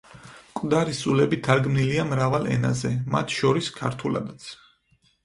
მკვდარი სულები თარგმნილია მრავალ ენაზე, მათ შორის ქართულადაც.